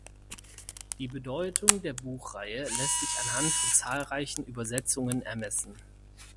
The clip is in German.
Die Bedeutung der Buchreihe lässt sich anhand von zahlreichen Übersetzungen ermessen.